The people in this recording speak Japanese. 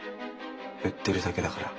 売ってるだけだから。